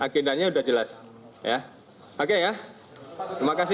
maka itu pak tidak ada yang dibahas dengan panglima tni soal komunikasi antara panglima tni